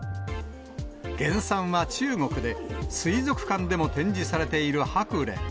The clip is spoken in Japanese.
原産は中国で、水族館でも展示されているハクレン。